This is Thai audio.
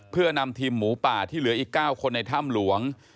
เพื่อนำทีมหมูป่าที่เหลืออีก๙คนในถ้ำหลวง